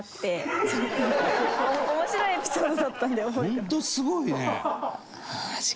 本当すごいね。